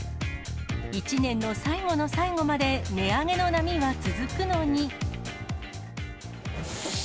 １年の最後の最後まで、値上げの波は続くのに。